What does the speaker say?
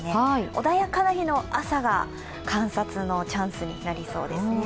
穏やかな日の朝が観察のチャンスになりそうですね。